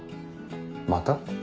「また」？